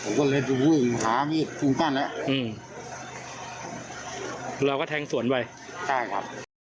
ผมก็เลยจะวึ่งหาวีดถูกกั้นแล้วอืมเราก็แทงส่วนไปใช่ครับ